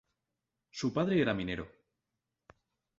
Su padre era minero.